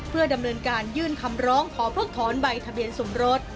เพื่อดำเนินการยื่นคำร้องขอเพิกถอนใบทะเบียนสมรส